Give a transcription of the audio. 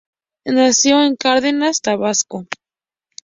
Nació en Cárdenas, Tabasco.